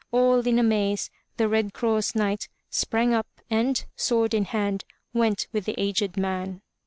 All in amaze the Red Cross Knight sprang up and, sword in hand, went with the aged man.